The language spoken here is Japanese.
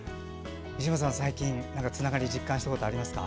西村さんは最近何かつながりを実感したことありますか？